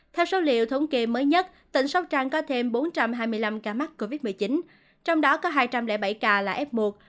theo số liệu thống kê mới nhất tỉnh sóc trăng có thêm bốn trăm hai mươi năm ca mắc covid một mươi chín trong đó có hai trăm linh bảy ca là f một